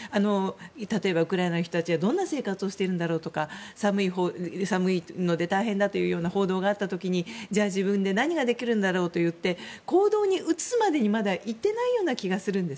例えば、ウクライナの人たちはどんな生活をしているのかとか寒いので大変だという報道があった時にじゃあ自分で何ができるんだろうといって行動に移すまでにまだいってないような気がするんです。